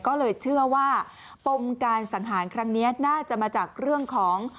ก็เลยเชื่อว่าปมการสังหารครั้งนี้น่าจะมาจากเรื่องของ